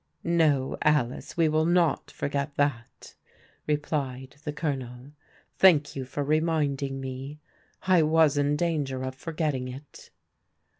" No, Alice, we will not forget that," replied the Colo nel. " Thank you for reminding me. I was in danger of forgetting it."